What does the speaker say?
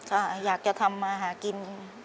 ก็อยากจะทำมาหากิน